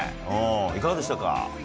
いかがでしたか？